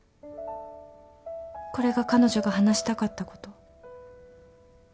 これが彼女が話したかったこと。